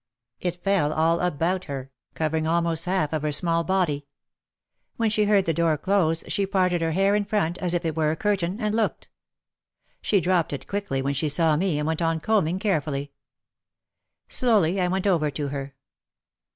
It fell all about her, covering almost half of her small body. When she heard the door close she parted her hair in front, as if it were a curtain, and looked. She dropped it quickly when she saw me and went on comb ing carefully. Slowly I went over to her.